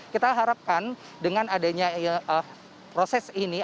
kita harapkan dengan adanya proses ini